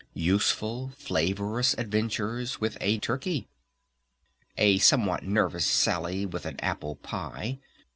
Useful, flavorous adventures with a turkey! A somewhat nervous sally with an apple pie!